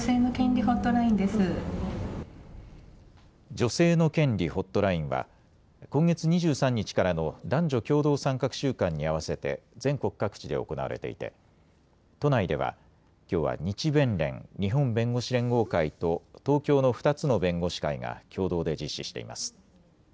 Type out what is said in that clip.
女性の権利ホットラインは今月２３日からの男女共同参画週間に合わせて全国各地で行われていて都内ではきょうは日弁連・日本弁護士連合会と東京の２つの弁護士会が共同で実施しています。